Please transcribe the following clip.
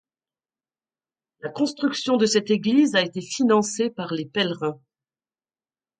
La construction de cette église a été financée par les pèlerins.